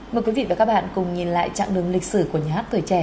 mời quý vị và các bạn cùng nhìn lại trạng đường lịch sử của nhà hát tuổi trẻ